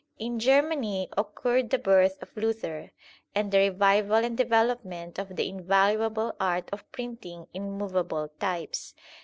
In Germany occurred the birth of Luther, and the revival and development of the invaluable art of printing in movable types.